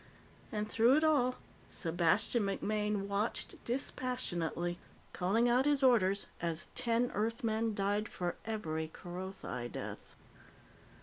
And through it all, Sebastian MacMaine watched dispassionately, calling out his orders as ten Earthmen died for every Kerothi death.